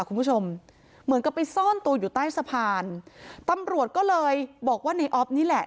คุณผู้ชมเหมือนกับไปซ่อนตัวอยู่ใต้สะพานตำรวจก็เลยบอกว่าในออฟนี่แหละ